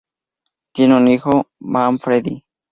Tienen un hijo, Manfredi.